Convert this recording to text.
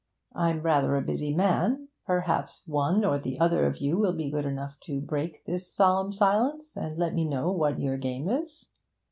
I'm rather a busy man; perhaps one or the other of you will be good enough to break this solemn silence, and let me know what your game is.'